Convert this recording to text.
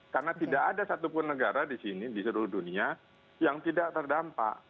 karena tidak ada satupun negara di sini di seluruh dunia yang tidak terdampak